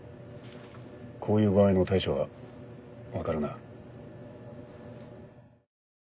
こういう場合の対処は分かるな？